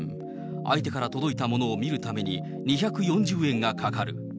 相手から届いたものを見るために２４０円がかかる。